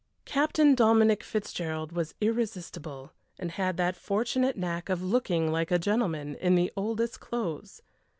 Captain Dominic Fitzgerald was irresistible, and had that fortunate knack of looking like a gentleman in the oldest clothes.